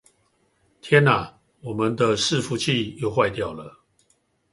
天啊！我們的伺服器又壞掉了